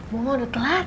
bunga udah telat